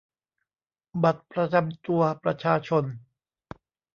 บัตรประจำตัวประชาชน